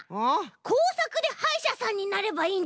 こうさくではいしゃさんになればいいんじゃない？